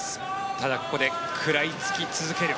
ただ、ここで食らいつき続ける。